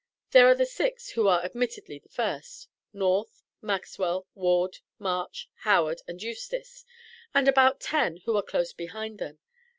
There are the six who are admittedly the first, North, Maxwell, Ward, March, Howard, and Eustis, and about ten who are close behind them.